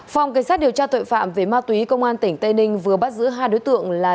phòng cảnh sát điều tra tội phạm về ma túy công an tỉnh tây ninh vừa bắt giữ hai đối tượng là